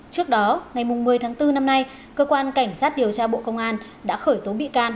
trước đó ngày một mươi tháng bốn năm nay cơ quan cảnh sát điều tra bộ công an đã khởi tố bị can